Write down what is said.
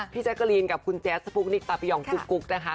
พี่แจ๊กรีนกับคุณแจ๊กสปุ๊กนิคตาเปยองจุ๊บนะคะ